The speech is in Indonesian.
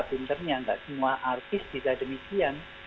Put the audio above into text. bintangnya nggak semua artis bisa demikian